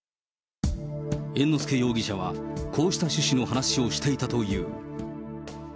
猿之助容疑者は、こうした趣旨の話をしていたという。